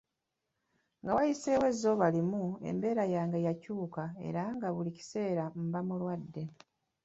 Nga wayiseewo ezzooba limu, embeera yange yakyuka era nga buli kiseera mba mulwadde.